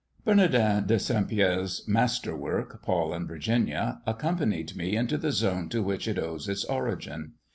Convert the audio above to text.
"Bernardin de St. Pierre's master work, Paul and Virginia, accompanied me into the zone to which it owes its origin.